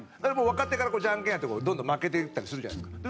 若手からジャンケンやってどんどん負けていったりするじゃないですか。